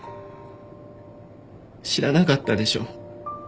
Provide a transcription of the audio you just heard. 知らなかったでしょ。